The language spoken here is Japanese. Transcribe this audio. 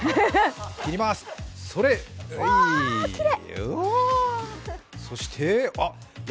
切ります、それっ！